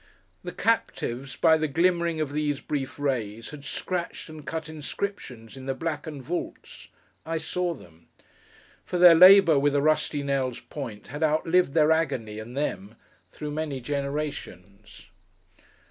The captives, by the glimmering of these brief rays, had scratched and cut inscriptions in the blackened vaults. I saw them. For their labour with a rusty nail's point, had outlived their agony and them, through many generations.